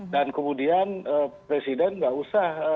dan kemudian presiden gak usah